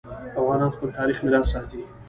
افغانان خپل تاریخي میراث ساتي.